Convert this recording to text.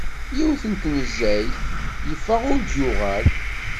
Yiwet n tnezzayt yeffeɣ ur d-yuɣal.